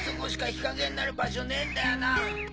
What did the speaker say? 日陰になる場所ねえんだよな。